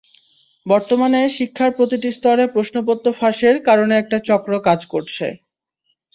বর্তমানে শিক্ষার প্রতিটি স্তরে প্রশ্নপত্র ফাঁসের কারণে একট চক্র কাজ করছে।